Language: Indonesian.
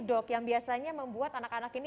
dok yang biasanya membuat anak anak ini